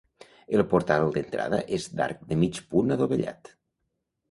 El portal d'entrada és d'arc de mig punt adovellat.